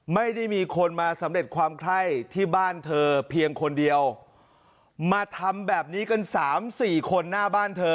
ไม่ได้มีคนมาสำเร็จความไข้ที่บ้านเธอเพียงคนเดียวมาทำแบบนี้กันสามสี่คนหน้าบ้านเธอ